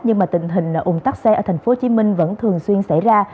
nhưng mà tình hình ủng tắc xe ở tp hcm vẫn thường xuyên xảy ra